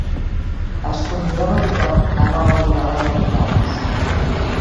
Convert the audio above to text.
Es conjurava tothom a no abandonar les barricades